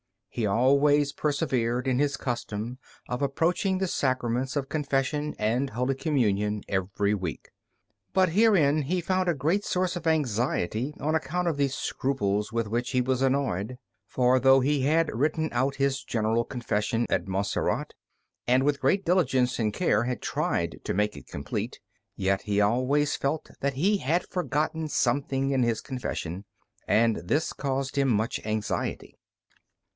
He always persevered in his custom of approaching the Sacraments of Confession and Holy Communion every week. But herein he found a great source of anxiety on account of the scruples with which he was annoyed. For though he had written out his general confession at Montserrat, and with great diligence and care had tried to make it complete, yet he always felt that he had forgotten something in his confession, and this caused him much anxiety.